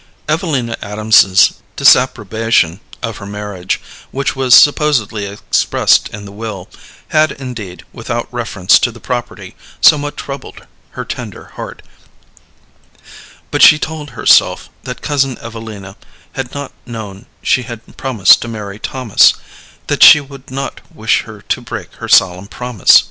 Evelina Adams's disapprobation of her marriage, which was supposedly expressed in the will, had indeed, without reference to the property, somewhat troubled her tender heart, but she told herself that Cousin Evelina had not known she had promised to marry Thomas; that she would not wish her to break her solemn promise.